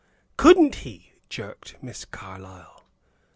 "Couldn't he?" jerked Miss Carlyle.